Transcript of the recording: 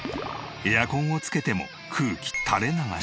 エアコンをつけても空気垂れ流し。